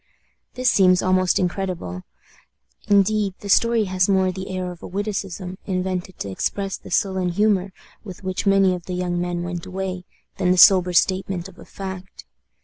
This seems almost incredible. Indeed, the story has more the air of a witticism, invented to express the sullen humor with which many of the young men went away, than the sober statement of a fact.